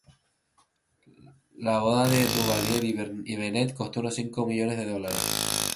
La boda de Duvalier y Bennett costó unos cinco millones de dólares.